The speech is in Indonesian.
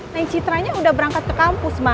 nah citranya sudah berangkat ke kampus mas